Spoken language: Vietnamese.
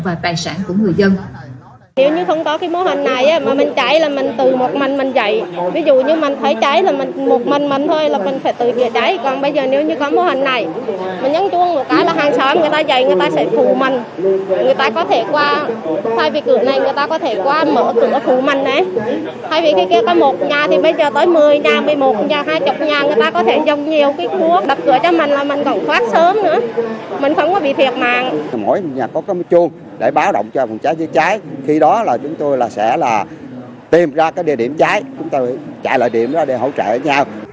và tài sản của người dân